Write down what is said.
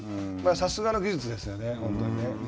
さすがの技術ですよね、本当にね。